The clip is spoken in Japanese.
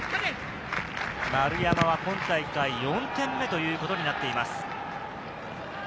丸山は今大会、４点目ということになっています。